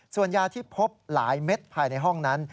ส่วนยาที่พบหลายเม็ดภายในห้องนั้น